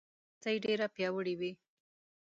رسۍ ډیره پیاوړې وي.